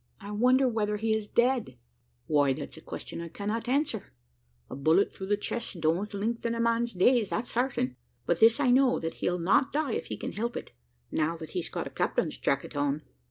"I wonder whether he is dead?" "Why, that's a question I cannot answer: a bullet through the chest don't lengthen a man's days, that's certain; but this I know, that he'll not die if he can help it, now that he's got the captain's jacket on."